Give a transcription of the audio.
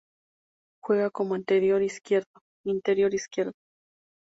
Juega como interior izquierdo.